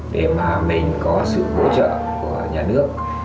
để mà mình có sự hỗ trợ của nhà nước